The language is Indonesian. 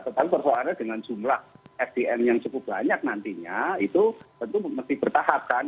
tapi perhubungannya dengan jumlah fdm yang cukup banyak nantinya itu tentu mesti bertahap kan